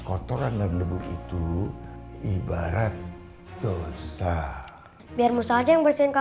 nah kotoran dan debur itu ibarat dosa biarmu saja yang bersihkan